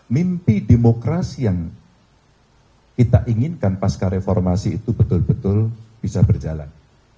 mimpi demokrasi yang kita inginkan pasca reformasi itu betul betul bisa berjalan